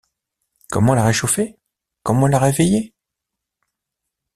Comment la réchauffer? comment la réveiller ?